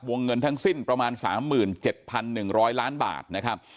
เงินทั้งสิ้นประมาณ๓๗๑๐๐ล้านบาทนะครับ